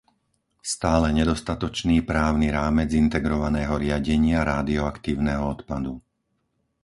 stále nedostatočný právny rámec integrovaného riadenia rádioaktívneho odpadu;